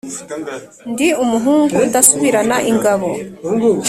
Ndi umuhungu udasubirana ingabo